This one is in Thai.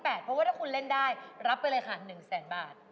เพราะว่าถ้าคุณเล่นได้รับไปเลยค่ะ๑แสนบาท